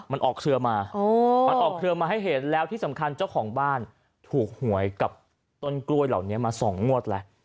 มันออกเครือมามันออกเครือมาให้เห็นแล้วที่สำคัญเจ้าของบ้านถูกหวยกับต้นกล้วยเหล่านี้มา๒งวดแล้ว